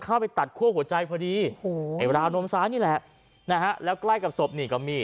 คือมันก็น่าวหลักไทันโลกนี้ย